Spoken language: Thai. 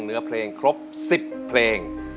เนื้อเพลงครบ๑๐เพลง